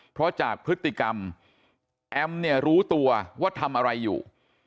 เพราะจากพฤติกรรมแอมเนี่ยรู้ตัวว่าทำอะไรอยู่